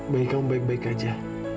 bayi kamu baik baik saja